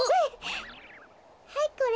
はいこれ。